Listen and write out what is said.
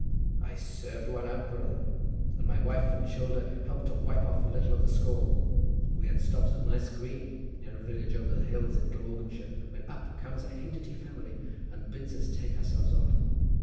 "I served one out, brother; and my wife and childer helped to wipe off a little of the score. We had stopped on a nice green, near a village over the hills in Glamorganshire, when up comes a Hindity family, and bids us take ourselves off.